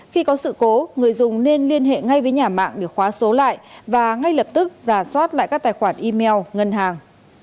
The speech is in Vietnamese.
khi có sự cố người dùng nên liên hệ ngay với nhà mạng để khóa số lại và ngay lập tức giả soát lại các tài khoản email ngân hàng